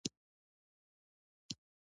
د نورو پر هغو شخوند وهل یې ښه خاصه ګرځېدلې.